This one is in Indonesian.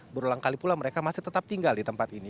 berulang kali pula mereka masih tetap tinggal di tempat ini